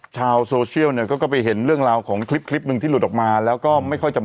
ชาวโซเชียลก็ไปเห็นเรื่องราวของคลิปที่หลุดออกมาแล้วก็ไม่ค่อย